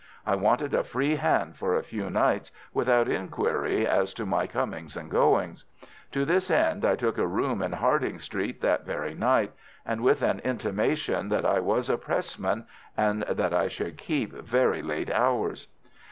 I wanted a free hand for a few nights, without inquiry as to my comings and goings. To this end I took a room in Harding Street that very night, with an intimation that I was a Pressman, and that I should keep very late hours.